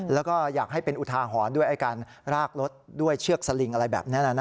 แล้วก็อยากให้เป็นอุทาหรณ์ด้วยการรากรถด้วยเชือกสลิงอะไรแบบนี้